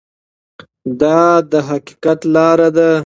دا د حقیقت لاره ده.